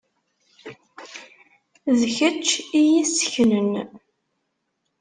D kečč i y-isseknen.